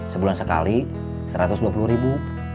sebulan sekali satu ratus dua puluh ribu